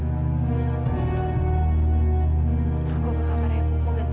aku gak akan pernah mengganggu calon istri bapak lagi